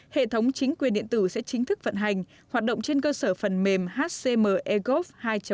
hệ thống chính quyền điện tử sẽ chính thức vận hành hoạt động trên cơ sở phần mềm hcm air gof hai